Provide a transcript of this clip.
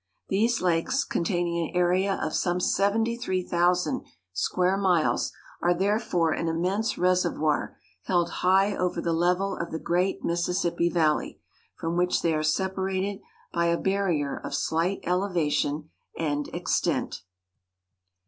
These lakes, containing an area of some seventy three thousand square miles, are therefore an immense reservoir held high over the level of the great Mississippi valley, from which they are separated by a barrier of slight elevation and extent.